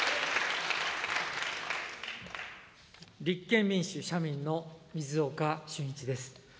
立憲民主・社民の水岡俊一です。